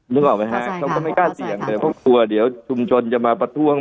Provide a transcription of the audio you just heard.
นึกออกไหมฮะเขาก็ไม่กล้าเสี่ยงเลยเพราะกลัวเดี๋ยวชุมชนจะมาประท้วง